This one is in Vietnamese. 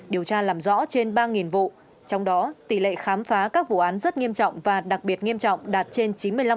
điều tra làm rõ trên ba vụ trong đó tỷ lệ khám phá các vụ án rất nghiêm trọng và đặc biệt nghiêm trọng đạt trên chín mươi năm